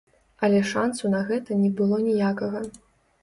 Але шансу на гэта не было ніякага.